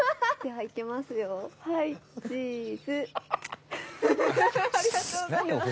ありがとうございます。